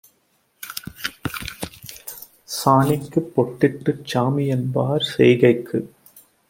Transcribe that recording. சாணிக்குப் பொட்டிட்டுச் சாமிஎன்பார் செய்கைக்கு